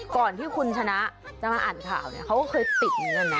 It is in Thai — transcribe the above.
ก่อนที่คุณชนะจะมาอ่านข่าวเนี่ยเขาก็เคยติดเหมือนกันนะ